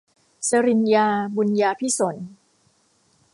ศรินยา บุนยาภิสนท์